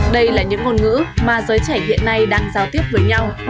đây là những ngôn ngữ mà giới trẻ hiện nay đang giao tiếp với nhau